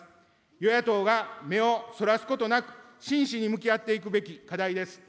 与野党が目をそらすことなく、真摯に向き合っていくべき課題です。